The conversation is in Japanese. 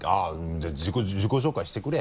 じゃあ自己紹介してくれ。